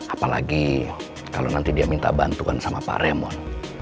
apalagi kalau nanti dia minta bantuan sama pak remon